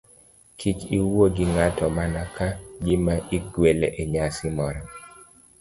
Kik iwuo gi ng'ato mana ka gima igwele e nyasi moro.